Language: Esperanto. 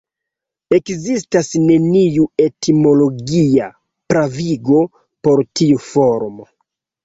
Ekzistas neniu etimologia pravigo por tiu formo.